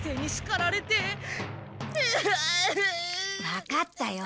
わかったよ。